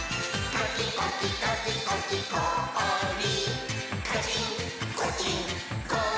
「カキコキカキコキこ・お・り」